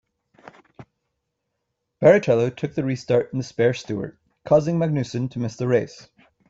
Barrichello took the restart in the spare Stewart, causing Magnussen to miss the race.